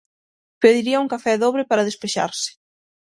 Pediría un café dobre para despexarse.